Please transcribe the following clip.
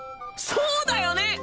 そうだよね！